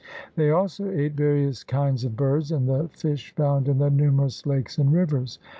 They also ate various kinds of birds and the fish found in the numerous lakes and rivers.